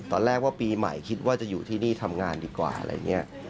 ตอนแรกว่าปีใหม่คิดว่าจะอยู่ที่นี่ทำงานดีกว่าอะไรอย่างนี้